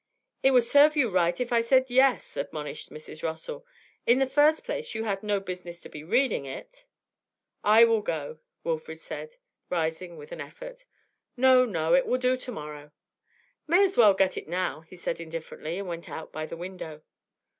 'It would serve you right if I said yes,' admonished Mrs. Rossall. 'In the first place you had no business to be reading it ' 'I will go,' Wilfrid said, rising with an effort. 'No, no; it will do to morrow.' 'May as well get it now,' he said indifferently, and went out by the window.